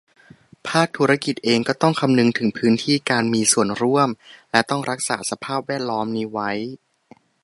ภาคธุรกิจเองก็ต้องคำนึงถึงพื้นที่การมีส่วนร่วม และ ต้องรักษาสภาพแวดล้อมนี้ไว้